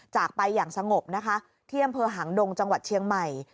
จากไปอย่างสงบนะคะที่อำเภอหางดงจังหวัดเชียงใหม่